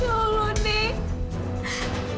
ya allah nek